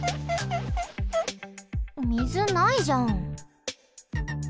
みずないじゃん。